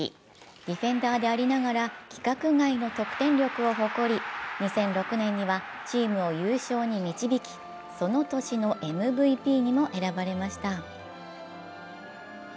ディフェンダーでありながら規格外の得点力を誇り２００６年にはチームを優勝に導き、その年のＭＶＰにも選ばれました。